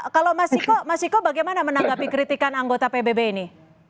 kalau mas iko bagaimana menanggapi kritikan anggota pbb ini